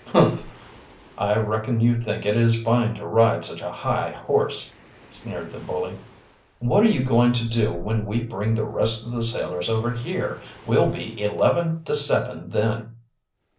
"Humph! I reckon you think it is fine to ride such a high horse," sneered the bully. "What are you going to do when we bring the rest of the sailors over here? We'll be eleven to seven then."